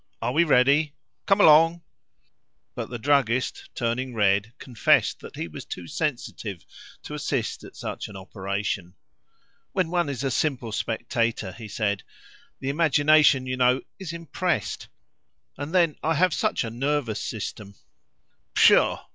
"Are we ready? Come along!" But the druggist, turning red, confessed that he was too sensitive to assist at such an operation. "When one is a simple spectator," he said, "the imagination, you know, is impressed. And then I have such a nervous system!" "Pshaw!"